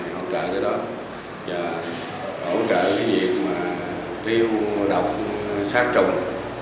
hỗ trợ việc tiêu độc sát trùng